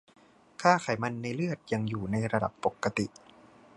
ค่าไขมันในเลือดยังอยู่ในระดับปกติ